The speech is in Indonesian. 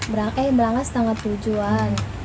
berangkat setengah tujuan